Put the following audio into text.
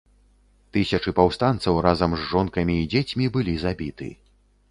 Тысячы паўстанцаў разам з жонкамі і дзецьмі былі забіты.